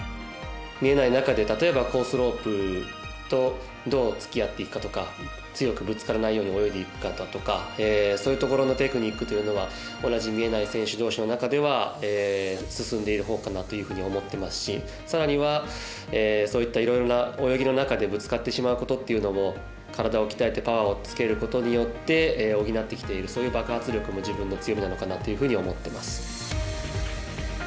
見えない中で、例えばコースロープとどうつきあっていくかとか強くぶつからないように泳いでいくかだとかそういうところのテクニックというのは同じ見えない選手どうしの中では進んでいるほうかなというふうに思ってますしさらには、そういったいろいろな泳ぎの中でぶつかってしまうことっていうのも体を鍛えてパワーをつけることによって補ってきているそういう爆発力も自分の強みなのかなというふうに思っています。